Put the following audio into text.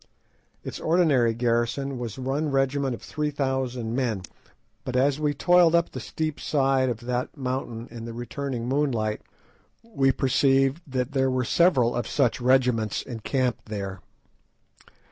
Its ordinary garrison was one regiment of three thousand men, but as we toiled up the steep side of the mountain in the returning moonlight we perceived that there were several of such regiments encamped there.